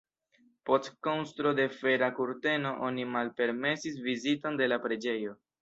Post konstruo de Fera kurteno oni malpermesis viziton de la preĝejo.